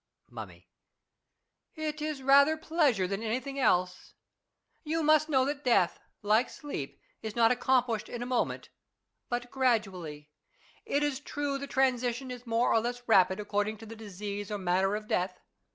Mummy. It is rather pleasure than anything else. You must know that death, like sleep, is not accomplished in a moment, but gradually. It is true the transition is more or less rapid according to the disease or manner I FREDERIC RUYSCH AND HIS MUMMIES. 115 of death.